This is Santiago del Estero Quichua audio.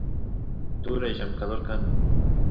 turay llamkador kan